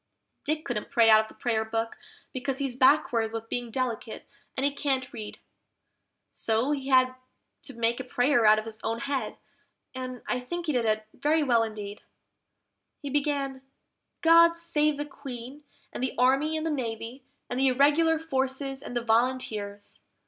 Dick couldn't pray out of the Prayer book, because he's backward with being delicate, and he can't read; So he had to make a prayer out of his own head, and I think he did it very well indeed. He began, "GOD save the Queen, and the Army and the Navy, and the Irregular Forces and the Volunteers!